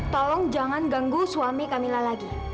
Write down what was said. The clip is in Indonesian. tolong jangan ganggu suami kamilah lagi